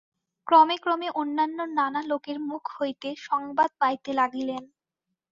ক্রমে ক্রমে অন্যান্য নানা লোকের মুখ হইতে সংবাদ পাইতে লাগিলেন।